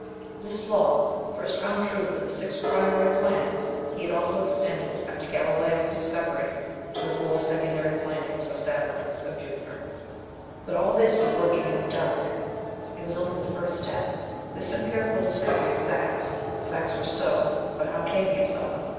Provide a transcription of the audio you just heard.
This law, first found true for the six primary planets, he had also extended, after Galileo's discovery, to the four secondary planets, or satellites of Jupiter (p. 81). But all this was working in the dark it was only the first step this empirical discovery of facts; the facts were so, but how came they so?